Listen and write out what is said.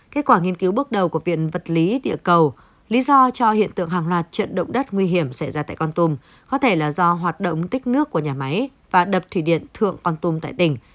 kết quả nghiên cứu bước đầu của viện vật lý địa cầu lý do cho hiện tượng hàng loạt trận động đất nguy hiểm xảy ra tại con tùm có thể là do hoạt động tích nước của nhà máy và đập thủy điện thượng con tum tại tỉnh